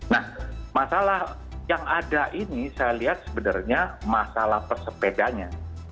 nah masalah yang ada ini saya lihat sebenarnya masalah pesepedanya